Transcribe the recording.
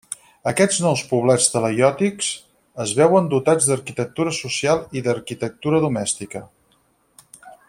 Aquests nous poblats talaiòtics es veuen dotats d'arquitectura social i d'arquitectura domèstica.